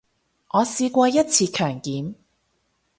我試過一次強檢